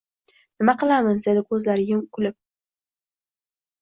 — Nima qilamiz? — dedi ko‘zlari kulib.